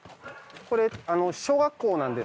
これ小学校なんだ。